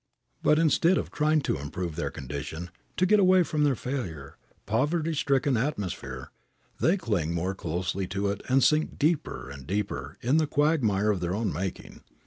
But instead of trying to improve their condition, to get away from their failure, poverty stricken atmosphere, they cling the more closely to it and sink deeper and deeper in the quagmire of their own making.